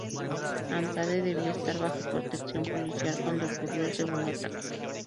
Andrade debía estar bajo protección policial cuando ocurrió el segundo ataque.